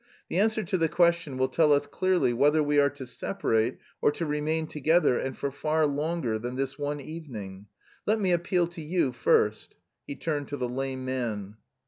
The answer to the question will tell us clearly whether we are to separate, or to remain together and for far longer than this one evening. Let me appeal to you first." He turned to the lame man.